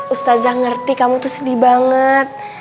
ustazah ngerti kamu tuh sedih banget